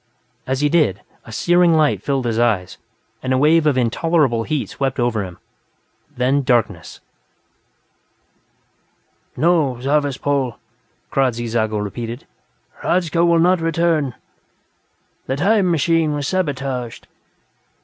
As he did, a searing light filled his eyes and a wave of intolerable heat swept over him. Then darkness... "No, Zarvas Pol," Kradzy Zago repeated. "Hradzka will not return; the 'time machine' was sabotaged."